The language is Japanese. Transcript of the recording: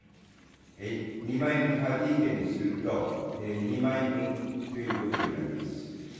２万円のパーティー券にすると２枚分ということになります。